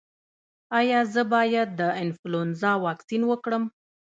ایا زه باید د انفلونزا واکسین وکړم؟